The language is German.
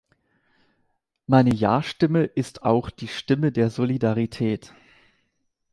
Meine Ja-Stimme ist auch die Stimme der Solidarität.